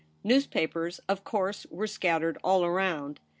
Newspapers, of course, were scattered all around.